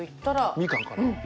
みかんかな？